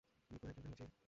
নিখোঁজ একজনকে খুঁজছি।